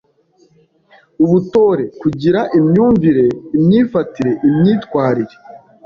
Ubutore: kugira imyumvire, imyifatire, imyitwarire